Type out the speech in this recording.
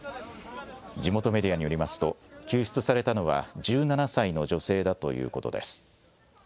地元メディアによりますと、救出されたのは、１７歳の女性だということです。